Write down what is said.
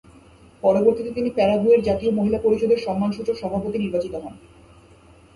পরবর্তীতে তিনি প্যারাগুয়ের জাতীয় মহিলা পরিষদের সম্মানসূচক সভাপতি নির্বাচিত হন।